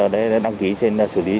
để đăng ký xử lý